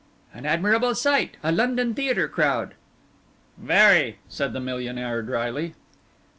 "An admirable sight a London theatre crowd." "Very," said the millionaire, drily.